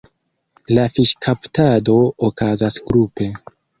La fiŝkaptado okazas grupe.